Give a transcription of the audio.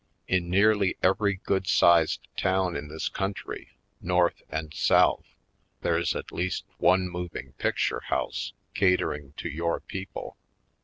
In nearly every good sized town in this coun try, North and South, there's at least one moving picture house catering to your people.